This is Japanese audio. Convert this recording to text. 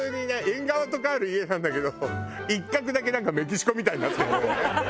縁側とかある家なんだけど一角だけなんかメキシコみたいになってるのよね。